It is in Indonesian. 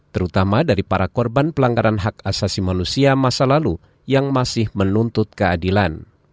terutama dari para korban pelanggaran hak asasi manusia masa lalu yang masih menuntut keadilan